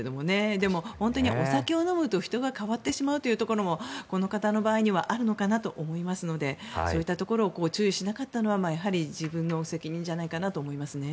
でも、本当にお酒を飲むと人が変わってしまうというところもこの方の場合にはあるのかなと思いますのでそういったところを注意しなかったのはやはり自分の責任じゃないかなと思いますね。